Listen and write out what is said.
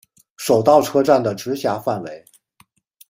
手稻车站的直辖范围。